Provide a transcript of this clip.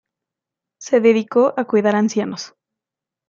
Se dedicó a cuidar ancianos.